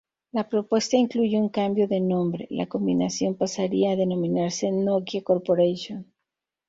La propuesta incluye un cambio de nombre: la combinación pasaría a denominarse Nokia Corporation.